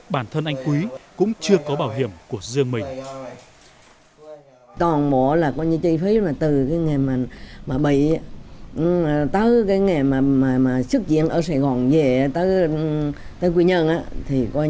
bản thân anh quý cũng chưa có